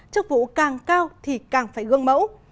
chức vụ càng cao thì càng phải gương mẫu